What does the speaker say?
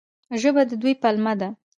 ژبه د دوی پلمه ده.